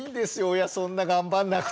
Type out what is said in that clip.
親そんな頑張んなくて！